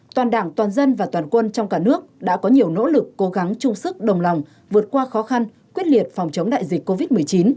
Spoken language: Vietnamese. toàn đảng toàn dân và toàn quân trong cả nước đã có nhiều nỗ lực cố gắng chung sức đồng lòng vượt qua khó khăn quyết liệt phòng chống đại dịch covid một mươi chín